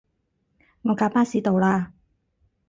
我架巴士到喇